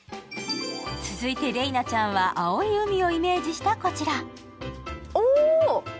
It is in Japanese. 続いて麗菜ちゃんは青い海をイメージしたこちら。